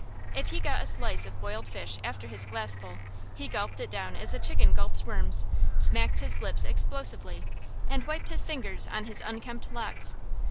If he got a slice of boiled fish after his glassful, he gulped it down as a chicken gulps worms, smacked his lips explosively, and wiped his fingers on his unkempt locks.